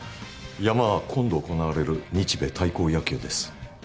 ヤマは今度行われる日米対抗野球です。